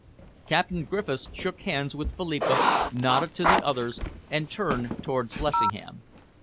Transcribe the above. Captain Griffiths shook hands with Philippa, nodded to the others, and turned towards Lessingham.